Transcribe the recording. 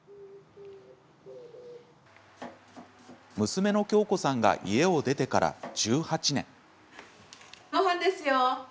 娘の恭子さんが家を出てから１８年。